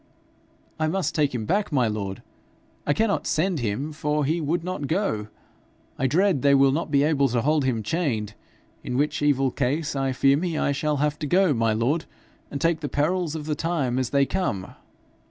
'I must take him back, my lord! I cannot send him, for he would not go. I dread they will not be able to hold him chained; in which evil case I fear me I shall have to go, my lord, and take the perils of the time as they come.'